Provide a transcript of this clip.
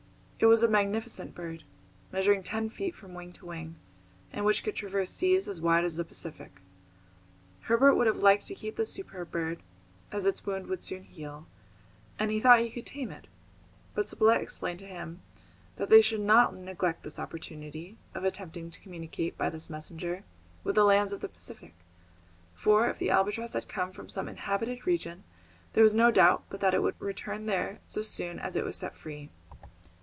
It was a magnificent bird, measuring ten feet from wing to wing, and which could traverse seas as wide as the Pacific. Herbert would have liked to keep this superb bird, as its wound would soon heal, and he thought he could tame it; but Spilett explained to him that they should not neglect this opportunity of attempting to communicate by this messenger with the lands of the Pacific; for if the albatross had come from some inhabited region, there was no doubt but that it would return there so soon as it was set free.